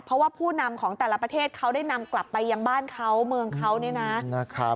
เพราะว่าผู้นำของแต่ละประเทศเขาได้นำกลับไปยังบ้านเขาเมืองเขานี่นะครับ